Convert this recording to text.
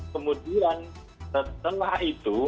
kemudian setelah itu